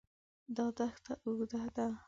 دا دښت اوږده ده.